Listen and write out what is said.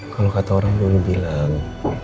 kalau kata orang dulu bilang